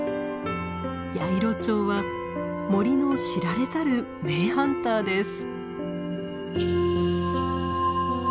ヤイロチョウは森の知られざる名ハンターです。